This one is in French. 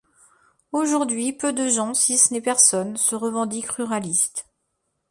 Aujourd'hui, peu de gens, si ce n'est personne, se revendique ruraliste.